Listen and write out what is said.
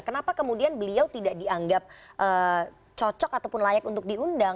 kenapa kemudian beliau tidak dianggap cocok ataupun layak untuk diundang